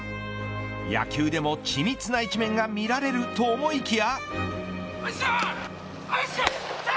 野球でも緻密な一面が見られると思いきや。